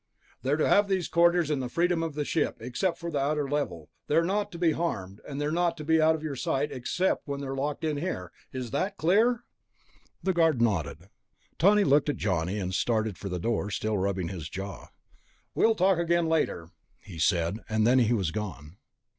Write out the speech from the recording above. "They're to have these quarters, and the freedom of the ship, except for the outer level. They're not to be harmed, and they're not to be out of your sight except when they're locked in here. Is that clear?" The guard nodded. Tawney looked at Johnny, and started for the door, still rubbing his jaw. "We'll talk again later," he said, and then he was gone.